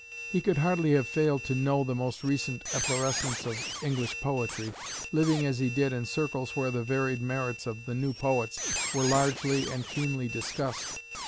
He could hardly have failed to know the most recent efflorescence of English poetry, living as he did in circles where the varied merits of the new poets were largely and keenly discussed.